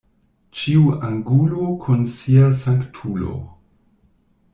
Ĉiu angulo kun sia sanktulo.